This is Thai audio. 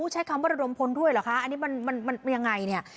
ใช้คำว่าระดมพลด้วยเหรอคะอันนี้มันยังไงเนี่ย